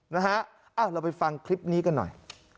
นะฮะเราไปฟังคลิปนี้กันหน่อย